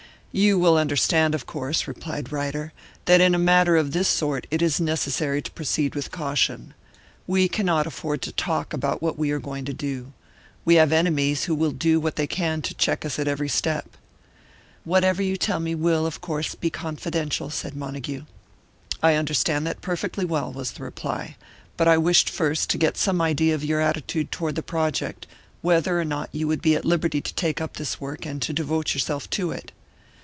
"You will understand, of course," replied Ryder, "that in a matter of this sort it is necessary to proceed with caution. We cannot afford to talk about what we are going to do. We have enemies who will do what they can to check us at every step." "Whatever you tell me will, of course, be confidential," said Montague. "I understand that perfectly well," was the reply. "But I wished first to get some idea of your attitude toward the project whether or not you would be at liberty to take up this work and to devote yourself to it."